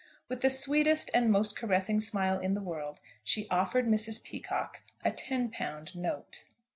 With the sweetest and most caressing smile in the world, she offered Mrs. Peacocke a ten pound note.